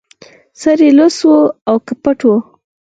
سر يې لڅ و او که پټ و